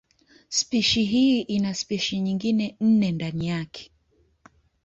Spishi hii ina spishi nyingine nne ndani yake.